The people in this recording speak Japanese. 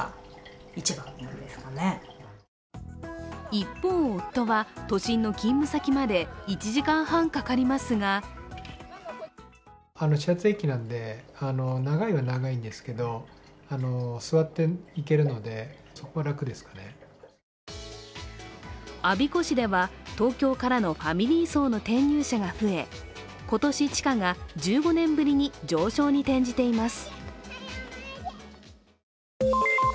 一方、夫は都心の勤務先まで１時間半かかりますが我孫子市では、東京からのファミリー層の転入者が増え、今年、地価が１５年ぶりに上昇に転じています。